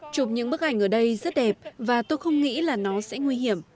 chụp những bức ảnh ở đây rất đẹp và tôi không nghĩ là nó sẽ nguy hiểm